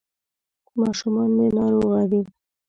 ماشومان مي ناروغه دي ..